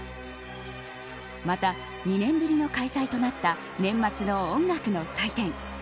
また、２年ぶりの開催となった年末の音楽の祭典